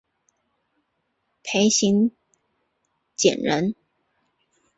裴行俭人。